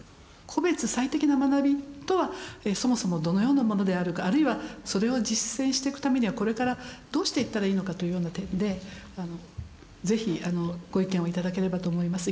個別最適な学びとはそもそもどのようなものであるかあるいはそれを実践していくためにはこれからどうしていったらいいのかというような点で是非ご意見を頂ければと思います。